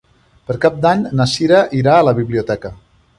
Per Cap d'Any na Cira irà a la biblioteca.